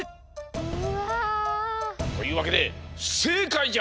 うわ！というわけでふせいかいじゃ！